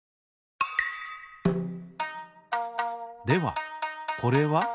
ではこれは？